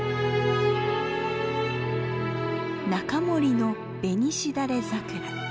「仲森の紅しだれ桜」。